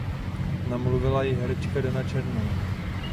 Namluvila ji herečka Dana Černá.